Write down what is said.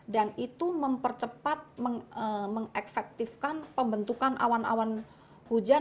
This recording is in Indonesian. dan itu mempercepat mengefektifkan pembentukan awan awan hujan